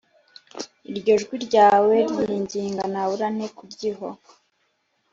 Iryo jwi ryawe ryinginga nabura nte kuryiho